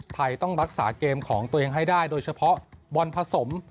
ต้องรักษาเกมของตัวเองให้ได้โดยเฉพาะบอลผสม